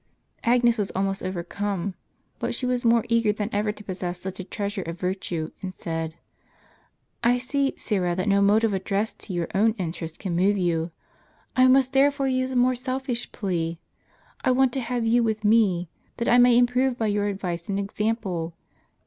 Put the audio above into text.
Agnes was almost overcome ; but she was more eager than ever to possess such a treasure of virtue, and said, " I see, Syra, that no motive addressed to your own interest can move you, I must therefore use a more selfish plea. I want to have you with me, that I may improve by your advice and example.